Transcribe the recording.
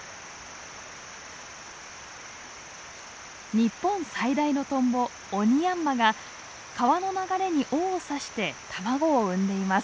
日本最大のトンボオニヤンマが川の流れに尾を刺して卵を産んでいます。